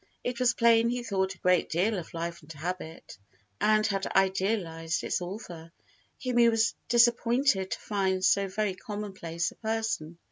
It was plain he thought a great deal of Life and Habit and had idealised its author, whom he was disappointed to find so very commonplace a person.